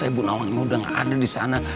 tapi bu nawang ini udah gak ada disana